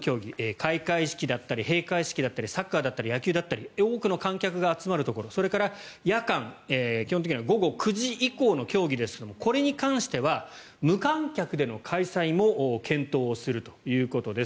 開会式だったり閉会式だったりサッカーだったり野球だったり多くの観客が集まるところそれから夜間、基本的には午後９時以降の競技ですがこれに関しては無観客での開催も検討をするということです。